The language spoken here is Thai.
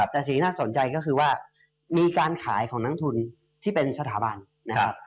แต่สิ่งที่น่าสนใจก็คือว่ามีการขายของนักทุนที่เป็นสถาบันนะครับ